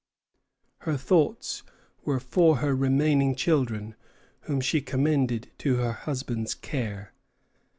Her thoughts were for her remaining children, whom she commended to her husband's care.